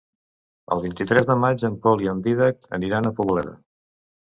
El vint-i-tres de maig en Pol i en Dídac aniran a Poboleda.